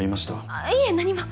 あっいえ何も。